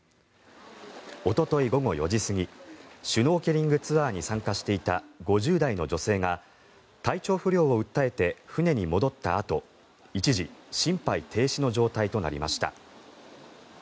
おととい午後４時過ぎシュノーケリングツアーに参加していた５０代の女性が体調不良を訴えて船に戻ったあと一時、心肺停止の状態となりました。